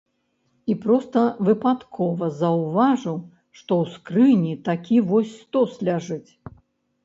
І проста выпадкова заўважыў, што ў скрыні такі вось стос ляжыць.